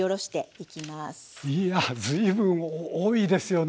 いや随分多いですよね